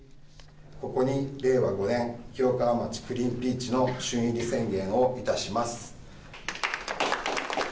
ここに令和５年清川町、クリーンピーチの旬入り宣言をいたします。